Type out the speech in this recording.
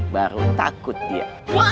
baru takut dia